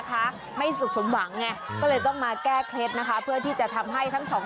คู่นี้เค้าน่ารักจริง